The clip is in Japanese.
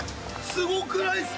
すごくないですか？